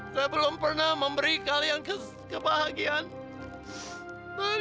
saya belum pernah memberi kalian kebahagiaan